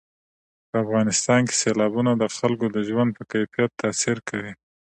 په افغانستان کې سیلابونه د خلکو د ژوند په کیفیت تاثیر کوي.